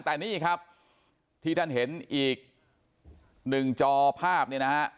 แต่นี่ครับที่ท่านเห็นอีกหนึ่งจอภาพเนี่ยนะฮะ